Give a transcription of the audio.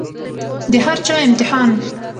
د هر چا امتحان